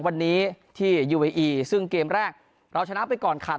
วันนี้ที่ยูเออีซึ่งเกมแรกเราชนะไปก่อนขาด